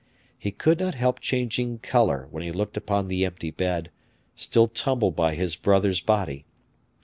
He could not help changing color when he looked upon the empty bed, still tumbled by his brother's body.